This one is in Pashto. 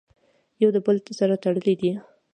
يو د بل سره تړلي دي!!.